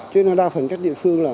cho nên đa phần các địa phương là